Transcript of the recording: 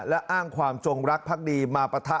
และอ้างความจงรักพักดีมาปะทะ